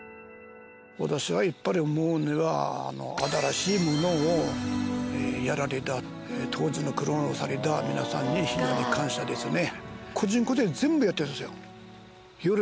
私はやっぱり思うのは新しいものをやられた当時の苦労された皆さんに非常に感謝ですね。